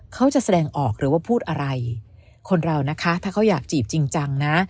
แสดงออกหรือว่าพูดอะไรคนเรานะคะถ้าเขาอยากจีบจริงจังนะ